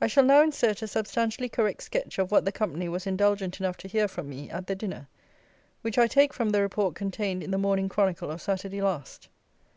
I shall now insert a substantially correct sketch of what the company was indulgent enough to hear from me at the dinner; which I take from the report contained in the Morning Chronicle of Saturday last.